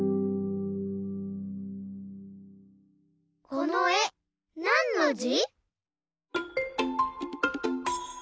このえなんのじ？